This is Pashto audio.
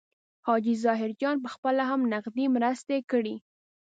حاجي ظاهرجان پخپله هم نغدي مرستې کړي.